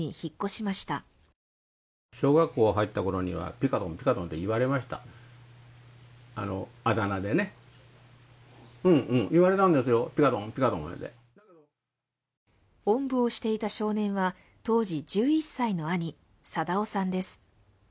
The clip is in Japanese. おんぶをしていた少年は、当時１１歳の兄、定男さんです。